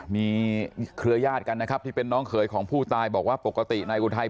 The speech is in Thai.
มีเครือยาศกันนะครับที่เป็นน้องเขยของผู้ตายบอกว่าปกตินายอุทัย